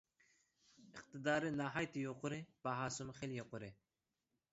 ئىقتىدارى ناھايىتى يۇقىرى، باھاسىمۇ خىلى يۇقىرى.